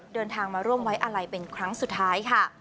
เดินทางมาร่วมไว้อาลัยเป็นครั้งสุดท้ายค่ะ